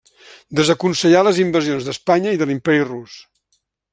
Desaconsellà les invasions d'Espanya i de l'Imperi Rus.